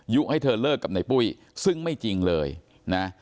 ให้เธอเลิกกับในปุ้ยซึ่งไม่จริงเลยนะ